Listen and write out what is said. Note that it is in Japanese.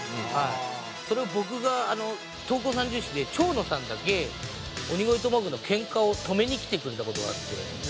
それを僕が闘魂三銃士で蝶野さんだけ鬼越トマホークのケンカを止めにきてくれた事があって。